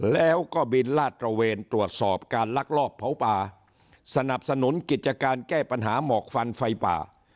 แล้วก็บินลาดตระเวนตรวจสอบการลักลอบเผาป่าสนับสนุนกิจการแก้ปัญหาหมอกฟันไฟป่า